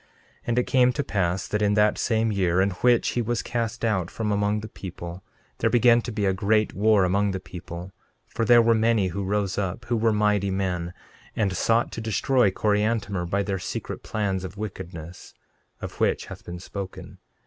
13:15 And it came to pass that in that same year in which he was cast out from among the people there began to be a great war among the people, for there were many who rose up, who were mighty men, and sought to destroy Coriantumr by their secret plans of wickedness, of which hath been spoken.